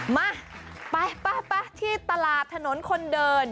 มาไปที่ตลาดถนนคนเดิน